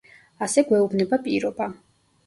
ასე გვეუბნება პირობა.